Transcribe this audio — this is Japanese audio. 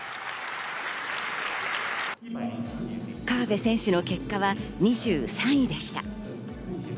河辺選手の結果は２３位でした。